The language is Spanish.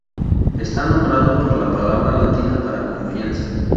Está nombrado por la palabra latina para "confianza".